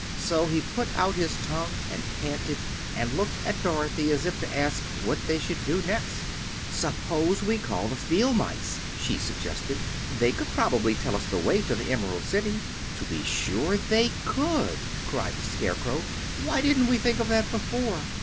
So he put out his tongue and panted and looked at Dorothy as if to ask what they should do next. "Suppose we call the field mice," she suggested. "They could probably tell us the way to the Emerald City." "To be sure they could," cried the Scarecrow. "Why didn't we think of that before?"